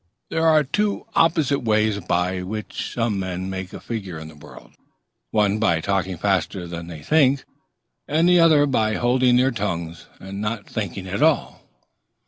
There are two opposite ways by which some men make a figure in the world; one, by talking faster than they think, and the other, by holding their tongues and not thinking at all.